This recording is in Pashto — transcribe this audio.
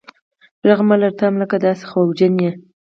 ږغ مه لره ته هم لکه دی داسي خوجن یې.